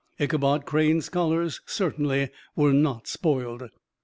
Ichabod Crane's scholars certainly were not spoiled.